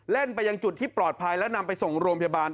ไปยังจุดที่ปลอดภัยและนำไปส่งโรงพยาบาล